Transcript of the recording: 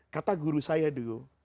kata guru saya dulu